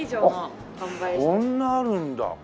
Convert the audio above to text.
あっそんなあるんだ。